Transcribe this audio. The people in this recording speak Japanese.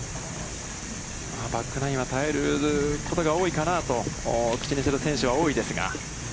バックナインは耐えることが多いかなと、口にする選手は多いですが。